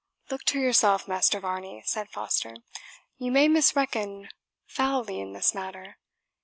"Look to yourself, Master Varney," said Foster, "you may misreckon foully in this matter.